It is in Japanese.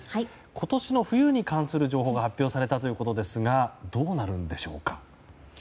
今年の冬に関する情報が発表されたということですがどうなるんでしょうか。